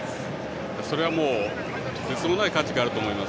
それはもうとてつもない価値があると思います。